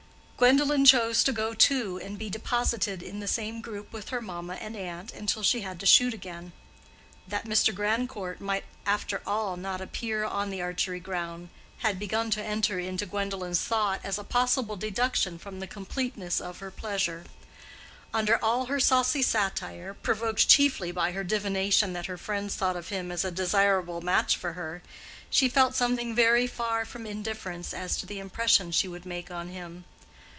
Gwendolen chose to go too and be deposited in the same group with her mamma and aunt until she had to shoot again. That Mr. Grandcourt might after all not appear on the archery ground, had begun to enter into Gwendolen's thought as a possible deduction from the completeness of her pleasure. Under all her saucy satire, provoked chiefly by her divination that her friends thought of him as a desirable match for her, she felt something very far from indifference as to the impression she would make on him.